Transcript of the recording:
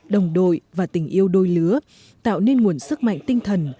đồng đội và tình yêu đôi lứa tạo nên nguồn sức mạnh tinh thần